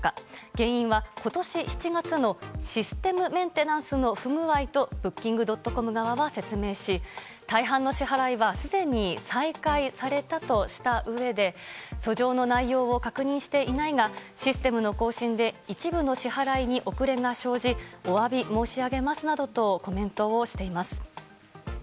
原因は、今年７月のシステムメンテナンスの不具合とブッキングドットコム側は説明し大半の支払いはすでに再開されたとしたうえで訴状の内容を確認していないがシステムの更新で一部の支払いに遅れが生じお詫び申し上げますなどとコメントをしています。